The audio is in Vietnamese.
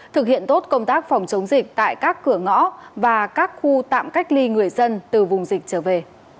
thực hiện tốt công tác phòng chống dịch tại các cửa ngõ và các khu tạm cách ly người dân từ vùng dịch trở về